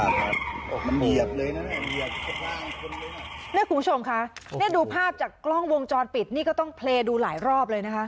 คุณผู้ชมคะนี่ดูภาพจากกล้องวงจรปิดนี่ก็ต้องเพลย์ดูหลายรอบเลยนะคะ